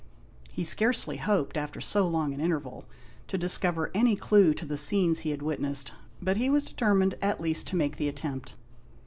He scarcely hoped, after so long an interval, to discover any clue to the scenes he had witnessed, but he was determined at least to make the attempt.